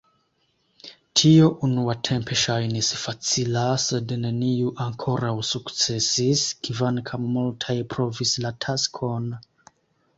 Tio unuatempe ŝajnis facila, sed neniu ankoraŭ sukcesis, kvankam multaj provis la taskon.